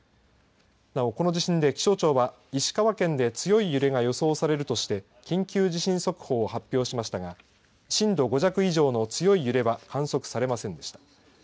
なお、この地震で気象庁は石川県で強い揺れが予想されるとして緊急地震速報を発表しましたが震度５弱以上の強い揺れは観測されませんでした。